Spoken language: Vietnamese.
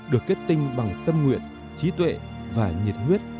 được kết tinh bằng tâm nguyện trí tuệ và nhiệt huyết